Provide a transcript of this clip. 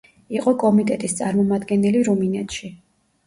იყო კომიტეტის წარმომადგენელი რუმინეთში.